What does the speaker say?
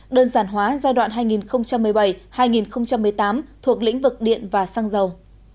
đơn giản hóa giai đoạn hai nghìn một mươi bảy hai nghìn một mươi tám thuộc lĩnh vực điện và xăng dầu